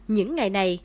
những ngày này